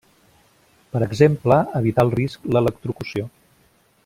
Per exemple, evitar el risc l'electrocució.